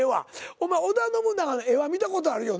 お前織田信長の絵は見たことあるよな？